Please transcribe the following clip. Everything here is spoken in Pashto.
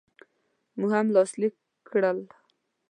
موږ هم لاسلیک کړل.